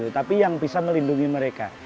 tapi yang bisa melindungi mereka